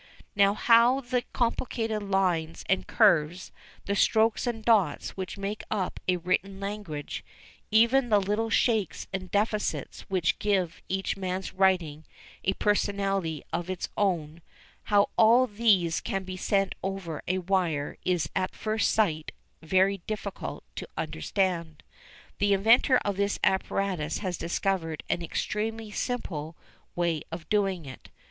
Now how the complicated lines and curves, the strokes and dots which make up a written language, even the little shakes and defects which give each man's writing a personality of its own, how all these can be sent over a wire is at first sight very difficult to understand. The inventor of this apparatus has discovered an extremely simple way of doing it.